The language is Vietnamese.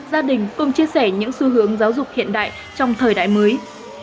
gia đình cùng chia sẻ những xu hướng giáo dục hiện đại trong thời đại mới